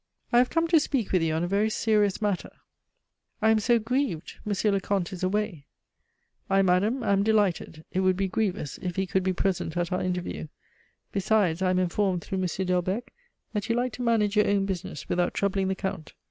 "I have come to speak with you on a very serious matter." "I am so grieved, M. le Comte is away " "I, madame, am delighted. It would be grievous if he could be present at our interview. Besides, I am informed through M. Delbecq that you like to manage your own business without troubling the Count."